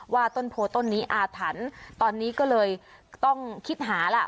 ว่าต้นโพต้นนี้อาถรรพ์ตอนนี้ก็เลยต้องคิดหาล่ะ